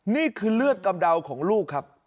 นี่คือเลือดกำเดาของลูกครับ